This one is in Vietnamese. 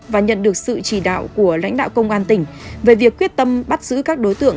và nhận được sự chỉ đạo của lãnh đạo công an tỉnh về việc quyết tâm bắt giữ các đối tượng